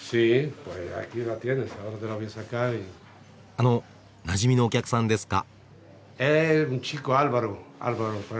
あのなじみのお客さんですか？